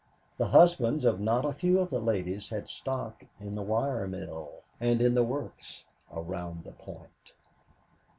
The husbands of not a few of the ladies had stock in the wire mill and in the works "around the Point."